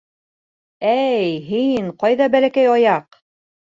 — Эй, һин ҡайҙа, Бәләкәй Аяҡ?